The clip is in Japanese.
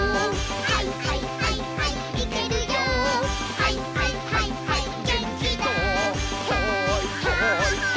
「はいはいはいはいマン」